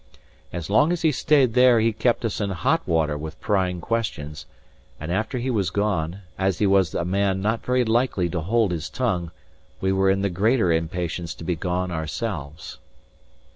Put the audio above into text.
As long as he stayed there he kept us in hot water with prying questions; and after he was gone, as he was a man not very likely to hold his tongue, we were in the greater impatience to be gone ourselves.